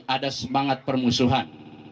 ada semangat permusuhan